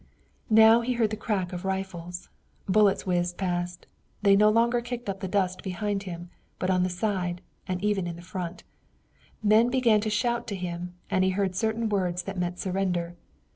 Now he heard the crack of rifles. Bullets whizzed past. They no longer kicked up the dust behind him, but on the side, and even in front. Men began to shout to him, and he heard certain words that meant surrender.